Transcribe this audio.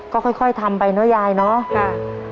ก็ค่อยทำไปเนอะยายเนาะ